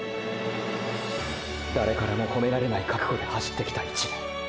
誰からも褒められない覚悟で走ってきた１年。